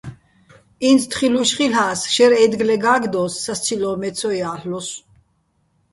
ინც თხილუშ ხილ'ას, შაჲრი̆ აჲდგლე გა́გდოს, სასცილო́ მე ცო ჲა́ლ'ლოსო̆.